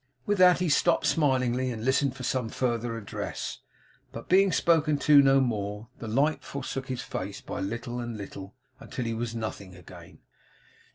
With that he stopped, smilingly, and listened for some further address; but being spoken to no more, the light forsook his face by little and little, until he was nothing again.